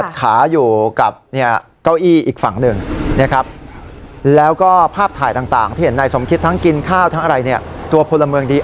มันจะลงไปไหนต่อแล้วก็ตามจับไม่ได้นะครับผม